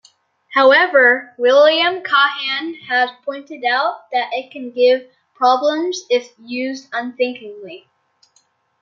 However, William Kahan has pointed out that it can give problems if used unthinkingly.